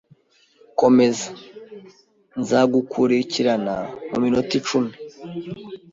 Komeza. Nzagukurikirana mu minota icumi